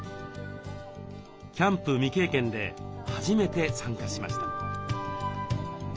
キャンプ未経験で初めて参加しました。